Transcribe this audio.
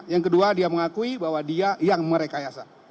yang kedua dia mengakui bahwa dia yang merekayasa